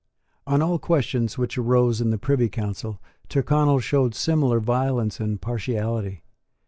On all questions which arose in the Privy Council, Tyrconnel showed similar violence and partiality.